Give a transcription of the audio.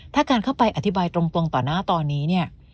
ถ้าการเข้าไปอธิบายตรงต่อหน้าตอนนี้เนี่ย